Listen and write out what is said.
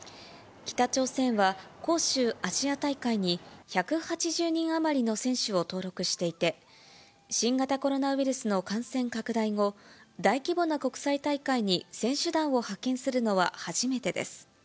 北朝鮮は、杭州アジア大会に１８０人余りの選手を登録していて、新型コロナウイルスの感染拡大後、大規模な国際大会に選手団を派遣するのは初めてです。